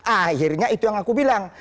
akhirnya itu yang aku bilang